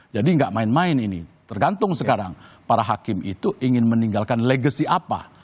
jadi gak main main ini tergantung sekarang para hakim itu ingin meninggalkan legacy apa